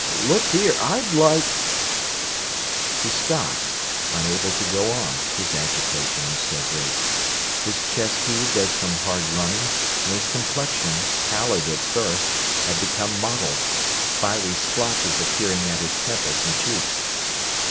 "Look here, I'd like—" He stopped, unable to go on, his agitation was so great. His chest heaved as from hard running, and his complexion, pallid at first, had become mottled; fiery splotches appearing at his temples and cheeks.